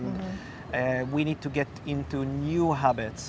jadi kita harus memiliki kebiasaan baru